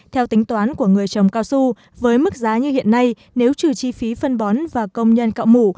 theo tính toán của người trồng cao su với mức giá như hiện nay nếu trừ chi phí phân bón và công nhân cạo mủ